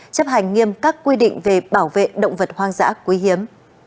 chấp hành nghiêm các quy định về bảo vệ động vật hoang dã quý hiếm